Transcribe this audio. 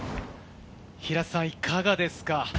平瀬さん、いかがですか？